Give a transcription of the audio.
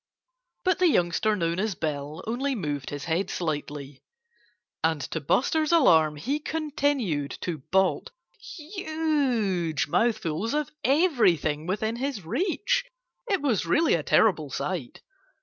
But the youngster known as Bill only moved his head slightly. And to Buster's alarm he continued to bolt huge mouthfuls of everything within his reach. It was really a terrible sight.